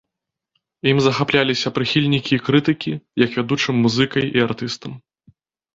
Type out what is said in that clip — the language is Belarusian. Ім захапляліся прыхільнікі і крытыкі, як вядучым музыкай і артыстам.